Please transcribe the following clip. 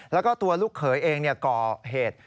แล้วก็ตัวลูกเขยเองก่อเหตุ